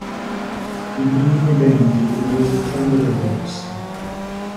Digrignò i denti, come rosicchiando delle ossa.